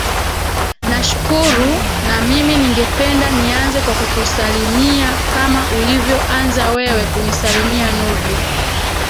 nashukuru na mimi ningependa nianze kwa kukusalimia kama ulivyoanza wewe kunisalimia nurdi